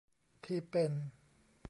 ที่เป็น